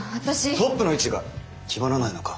トップの位置が決まらないのか？